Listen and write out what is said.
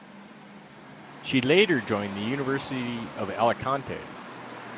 She later joined the University of Alicante.